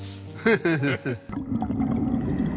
フフフフ！